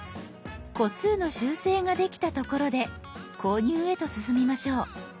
個数の修正ができたところで購入へと進みましょう。